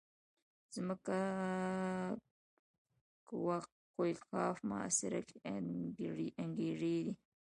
ځمکه کوه قاف محاصره کې انګېري.